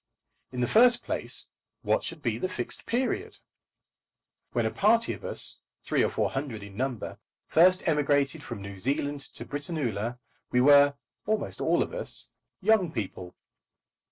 In the first place, what should be the Fixed Period? When a party of us, three or four hundred in number, first emigrated from New Zealand to Britannula, we were, almost all of us, young people.